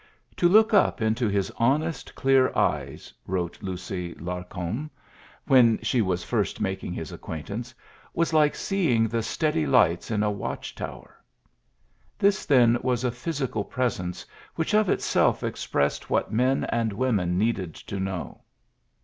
^^ To look up into his honest clear eyes,'' wrote Lucy Larcom, when she was first making his acquaintance, ^^was like seeing the steady lights in a watch tower." This, then, was a physi cal presence which of itself expressed what men and women needed to know.